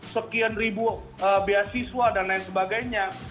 sekian ribu beasiswa dan lain sebagainya